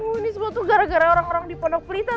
ini semua tuh gara gara orang orang dipodok perita